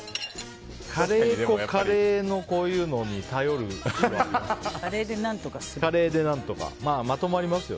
カレー粉、カレーのこういうのに頼るところありますけど。